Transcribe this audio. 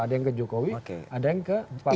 ada yang ke jokowi ada yang ke pak jokowi